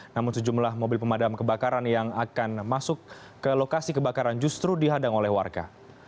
namun sejumlah mobil pemadam kebakaran yang akan masuk ke lokasi kebakaran justru dihadang oleh warga